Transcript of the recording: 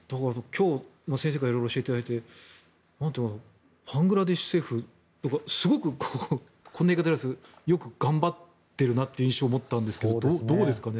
今日、先生からいろいろ教えていただいて何か、バングラデシュ政府はこんな言い方もあれですがよく頑張っているなという印象を持ったんですが、どうですかね。